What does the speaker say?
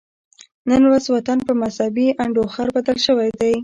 نن ورځ وطن په مذهبي انډوخر بدل شوی دی